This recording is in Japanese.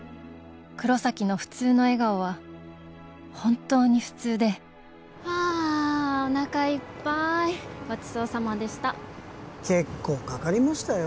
黒崎の普通の笑顔は本当に普通でああおなかいっぱいごちそうさまでした結構かかりましたよ